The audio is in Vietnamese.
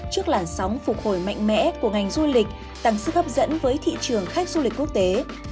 trước làn sóng phục hồi mạnh mẽ của ngành du lịch tăng sức hấp dẫn với thị trường khách du lịch quốc tế